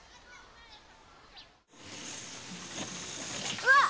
うわっ！